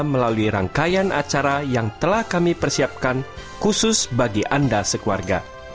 melalui rangkaian acara yang telah kami persiapkan khusus bagi anda sekeluarga